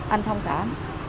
anh thông cảm